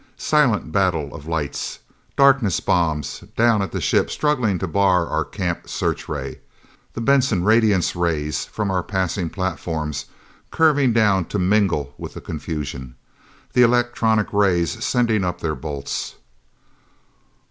Silent battle of lights! Darkness bombs down at the ship struggling to bar our camp searchray. The Benson radiance rays from our passing platforms, curving down to mingle with the confusion. The electronic rays sending up their bolts....